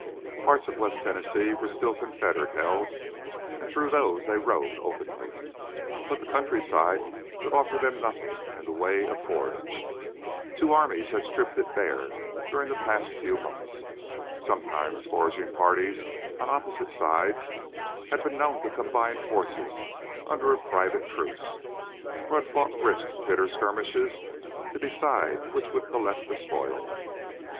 Parts of West Tennessee were still Confederate held and through those they rode openly. But the countryside could offer them nothing in the way of forage. Two armies had stripped it bare during the past few months. Sometimes foraging parties on opposite sides had been known to combine forces under a private truce, or had fought brisk, bitter skirmishes to decide which would collect the spoils.